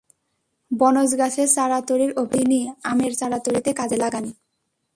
বনজ গাছের চারা তৈরির অভিজ্ঞতা তিনি আমের চারা তৈরিতে কাজে লাগান।